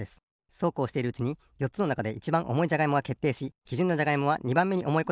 そうこうしているうちによっつのなかでいちばんおもいじゃがいもがけっていしきじゅんのじゃがいもは２ばんめにおもいことがわかりました。